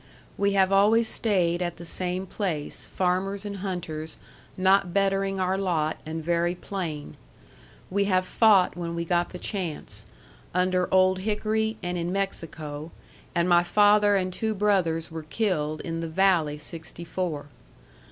We have always stayed at the same place farmers and hunters not bettering our lot and very plain. We have fought when we got the chance, under Old Hickory and in Mexico and my father and two brothers were killed in the Valley sixty four.